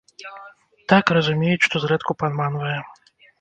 Так, разумеюць, што зрэдку падманвае.